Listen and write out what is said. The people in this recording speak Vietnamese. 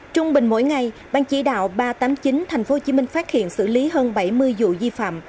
trung bình mỗi ngày ban chỉ đạo ba trăm tám mươi chín tp hcm phát hiện xử lý hơn bảy mươi vụ vi phạm